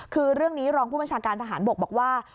คือเรื่องนี้รองผู้บัญชาการทหารบกบอกว่า